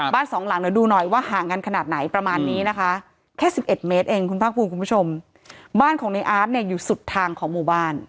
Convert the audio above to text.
สองหลังเดี๋ยวดูหน่อยว่าห่างกันขนาดไหนประมาณนี้นะคะแค่๑๑เมตรเองคุณภาคภูมิคุณผู้ชมบ้านของในอาร์ตเนี่ยอยู่สุดทางของหมู่บ้าน